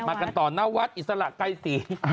มากันต่อนวัฒน์อิสระใกล้สี่